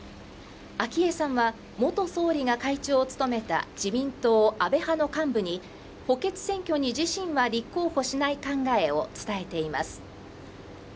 昭恵さんは元総理が会長を務めた自民党安倍派の幹部に補欠選挙に自身は立候補しない考えを伝えています。